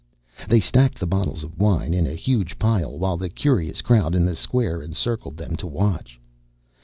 They stacked the bottles of wine in a huge pile while the curious crowd in the square encircled them to watch.